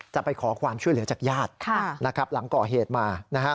จะไปขอความช่วยเหลือจากญาติหลังก่อเหตุมา